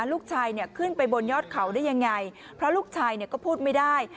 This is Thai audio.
ลูกชายขึ้นไปบนยอดเขาได้ยังไง